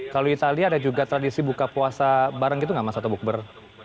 kalau italia ada juga tradisi buka puasa bareng gitu nggak mas atau bukber